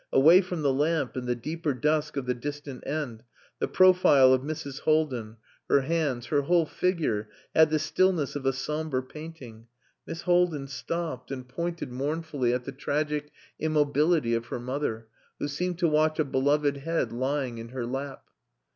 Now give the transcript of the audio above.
Away from the lamp, in the deeper dusk of the distant end, the profile of Mrs. Haldin, her hands, her whole figure had the stillness of a sombre painting. Miss Haldin stopped, and pointed mournfully at the tragic immobility of her mother, who seemed to watch a beloved head lying in her lap.